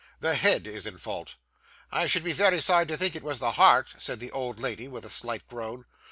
The head is in fault.' 'I should be very sorry to think it was the heart,' said the old lady, with a slight groan.